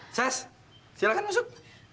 eh ses silakan masuk